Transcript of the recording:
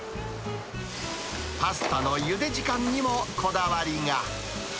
パスタのゆで時間にもこだわりが。